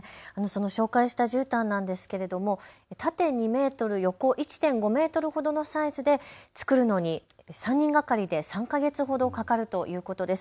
紹介したじゅうたんですが縦２メートル、横１．５メートルほどのサイズで作るのに３人がかりで３か月ほどかかるということです。